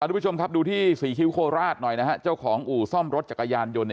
ทุกผู้ชมครับดูที่ศรีคิ้วโคราชหน่อยนะฮะเจ้าของอู่ซ่อมรถจักรยานยนต์เนี่ย